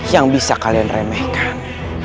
yang bisa kalian remehkan